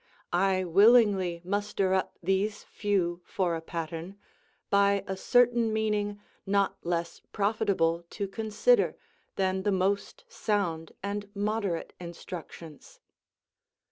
I willingly muster up these few for a pattern, by a certain meaning not less profitable to consider than the most sound and moderate instructions.